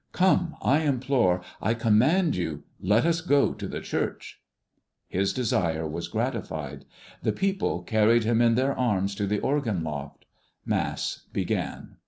Come, I implore, I command you, let us go to the church!" His desire was gratified. The people carried him in their arms to the organ loft. Mass began.